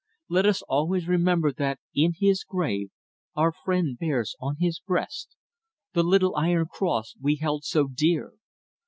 Let us always remember that, in his grave, our friend bears on his breast the little iron cross we held so dear.